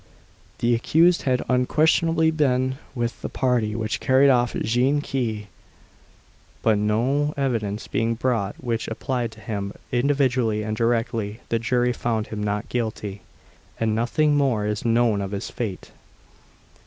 The accused had unquestionably been with the party which carried off Jean Key; but no evidence being brought which applied to him individually and directly, the jury found him not guilty and nothing more is known of his fate.